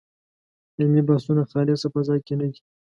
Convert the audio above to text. علمي بحثونه خالصه فضا کې نه دي.